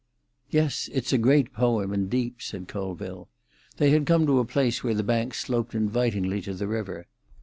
"Yes, it's a great poem, and deep," said Colville. They had come to a place where the bank sloped invitingly to the river.